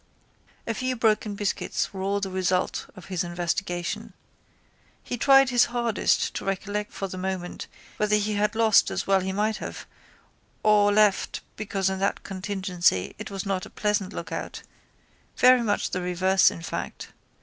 A few broken biscuits were all the result of his investigation. He tried his hardest to recollect for the moment whether he had lost as well he might have or left because in that contingency it was not a pleasant lookout, very much the reverse in fact.